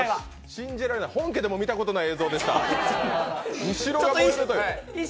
信じられない、本家でも見たことない映像でした。